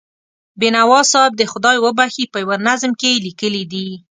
بینوا صاحب دې خدای وبښي، په یوه نظم کې یې لیکلي دي.